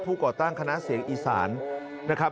ก่อตั้งคณะเสียงอีสานนะครับ